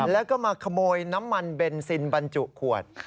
แล้วก็มาขโมยน้ำมันเบนซินบรรจุขวด